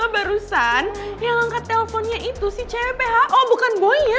barusan yang ngangkat telfonnya itu si cpho bukan boynya